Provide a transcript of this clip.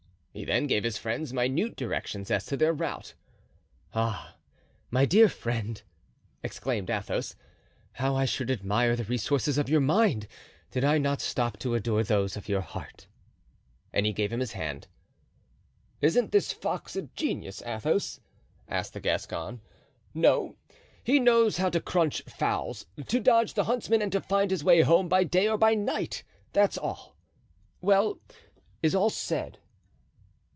He then gave his friends minute directions as to their route. "Ah! my dear friend," exclaimed Athos, "how I should admire the resources of your mind did I not stop to adore those of your heart." And he gave him his hand. "Isn't this fox a genius, Athos?" asked the Gascon. "No! he knows how to crunch fowls, to dodge the huntsman and to find his way home by day or by night, that's all. Well, is all said?"